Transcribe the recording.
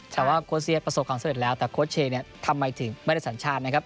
ถ้าว่าโค้ชเชียสประสบความเสร็จแล้วแต่โค้ชเชียสทำไมถึงไม่ได้สัญชาตินะครับ